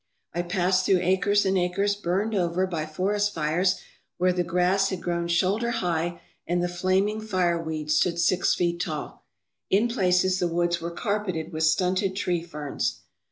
I passed through acres and acres burned over by forest fires where the grass had grown shoulder high and the flaming fire weed stood six feet tall. In places the woods were carpeted with stunted tree ferns.